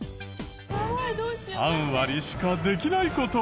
３割しかできない事。